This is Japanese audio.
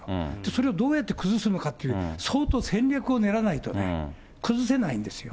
それをどうやって崩すのかっていう、相当戦略を練らないとね、崩せないんですよ。